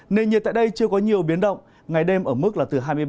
nền nhiệt tại đây chưa có nhiều biến động ngày đêm ở mức là từ hai mươi ba